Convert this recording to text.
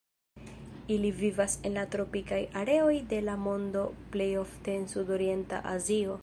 Ili vivas en la tropikaj areoj de la mondo, plej ofte en sudorienta Azio.